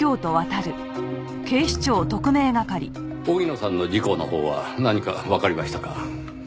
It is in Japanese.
荻野さんの事故のほうは何かわかりましたか？